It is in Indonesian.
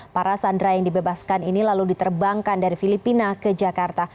para sandera yang dibebaskan ini lalu diterbangkan dari filipina ke jakarta